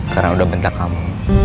karena udah bentar kamu